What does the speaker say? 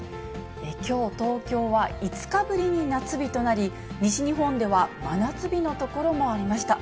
きょう東京は、５日ぶりに夏日となり、西日本では真夏日の所もありました。